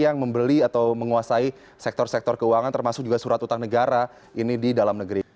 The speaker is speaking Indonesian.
yang membeli atau menguasai sektor sektor keuangan termasuk juga surat utang negara ini di dalam negeri